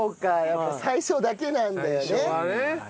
やっぱ最初だけなんだよね。